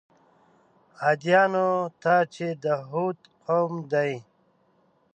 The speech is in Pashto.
عادیانو ته چې د هود قوم دی.